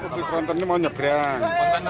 mobil terontem ini mau nyebrang